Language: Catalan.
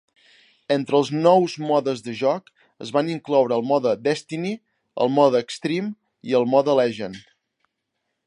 Entre els nous modes de joc es van incloure el mode Destiny, el mode Xtreme i el mode Legend.